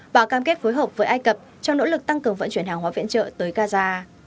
bà cam kết phối hợp với ai cập trong nỗ lực tăng cường vận chuyển hàng hóa viện trợ tới gaza